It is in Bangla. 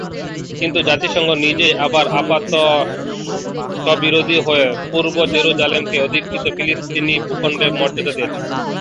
কিন্তু জাতিসংঘ নিজেই আবার আপাত-স্ববিরোধী হয়ে পূর্ব জেরুসালেমকে অধিকৃত ফিলিস্তিনি ভূখণ্ডের মর্যাদা দিয়েছে।